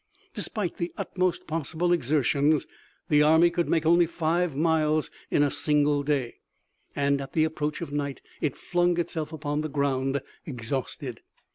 Despite the utmost possible exertions the army could make only five miles in a single day and at the approach of night it flung itself upon the ground exhausted.